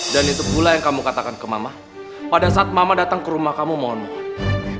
dan itu pula yang kamu katakan ke mama pada saat mama datang ke rumah kamu mohon mohon